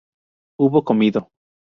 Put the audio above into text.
hubo comido